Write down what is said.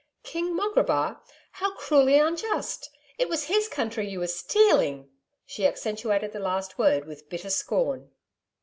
'King Mograbar! How cruelly unjust. It was his country you were STEALING.' She accentuated the last word with bitter scorn.